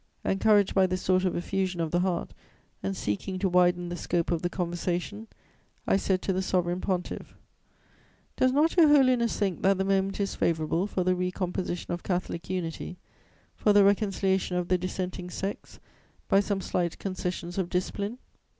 "Encouraged by this sort of effusion of the heart, and seeking to widen the scope of the conversation, I said to the Sovereign Pontiff: "'Does not Your Holiness think that the moment is favourable for the recomposition of Catholic unity, for the reconciliation of the dissenting sects, by some slight concessions of discipline?